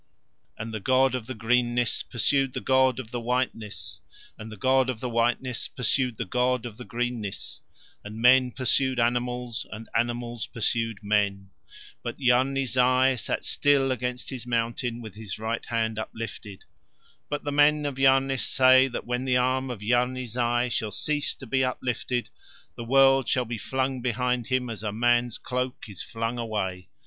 And the god of the greenness pursued the god of the whiteness, and the god of the whiteness pursued the god of the greenness, and men pursued animals, and animals pursued men. But Yarni Zai sat still against his mountain with his right hand uplifted. But the men of Yarnith say that when the arm of Yarni Zai shall cease to be uplifted the world shall be flung behind him, as a man's cloak is flung away.